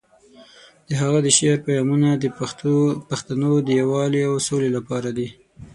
د هغه د شعر پیغامونه د پښتنو د یووالي او سولې لپاره دي.